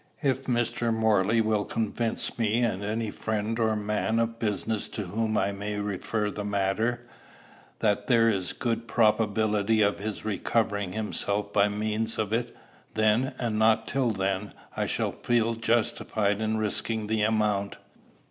If Mr. Morley will convince me and any friend or man of business to whom I may refer the matter, that there is good probability of his recovering himself by means of it, then, and not till then, I shall feel justified in risking the amount.